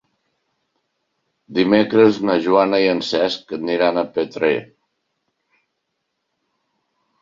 Dimecres na Joana i en Cesc aniran a Petrer.